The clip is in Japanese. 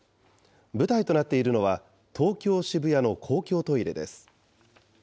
舞台となっているのは、東京・渋谷の公共トイレです。